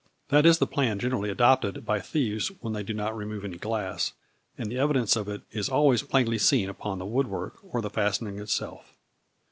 That is the plan generally adopted by thieves when they do not remove any glass, and the evidence of it is always plainly seen upon the woodwork or the fastening itself.